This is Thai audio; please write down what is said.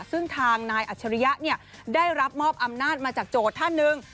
ซึ่งทางนายอัจฉริยะได้รับมอบอำนาจมาจากโจทย์ท่านหนึ่ง